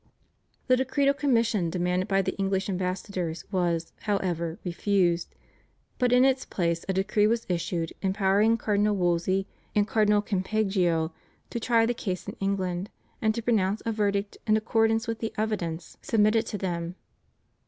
The decretal commission demanded by the English ambassadors was, however, refused; but, in its place, a decree was issued empowering Cardinal Wolsey and Cardinal Campeggio to try the case in England and to pronounce a verdict in accordance with the evidence submitted to them.